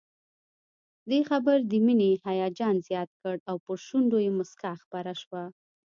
دې خبر د مينې هيجان زيات کړ او پر شونډو يې مسکا خپره شوه